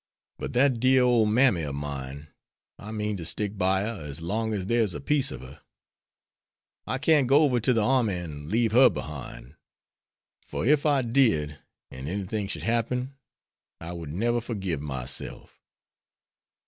But that dear old mammy of mine, I mean to stick by her as long as there is a piece of her. I can't go over to the army an' leave her behind, for if I did, an' anything should happen, I would never forgive myself."